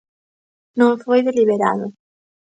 Non foi deliberado.